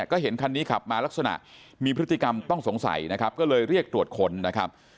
ก็เห็นคันนี้ขับมาลักษณะมีพฤติกรรมต้องสงสัยนะครับก็เลยเรียกตรวจค้นนะครับ